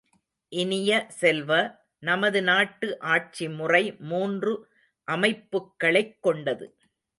இனிய செல்வ, நமது நாட்டு ஆட்சிமுறை மூன்று அமைப்புக்களைக் கொண்டது.